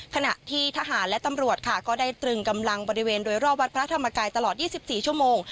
ขณะที่ทหารและตำรวจค่ะก็ได้ตรึงกำลังบริเวณโดยรอบวัดพระธรรมกายตลอด๒๔ชั่วโมง